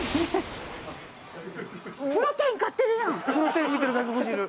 プロテイン見てる外国人いる！